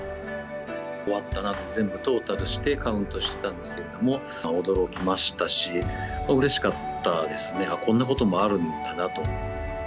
終わったあと、全部トータルしてカウントしてたんですけれども、驚きましたし、うれしかったですね、ああ、こんなこともあるんだなと。